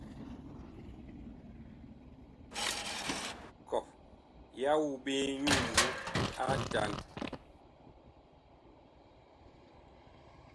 Kɔh yah wu ɓe nyu ŋmbu atan.